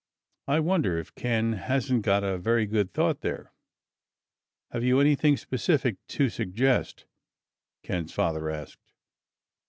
I wonder if Ken hasn't got a very good thought there." "Have you anything specific to suggest?" Ken's father asked.